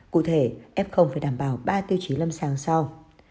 cụ thể f phải đảm bảo ba tiêu chí lâm sàng sau